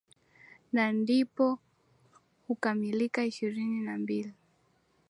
na ndipo hukamilika ishirini na mbili